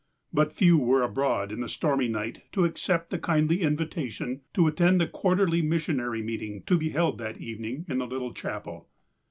But few were abroad in the stormy night to accept of the kindly invitation to attend the quarterly missionary meeting to be held that evening in the little chapel.